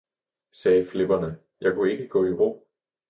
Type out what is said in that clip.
sagde flipperne, jeg kunne ikke gå i ro!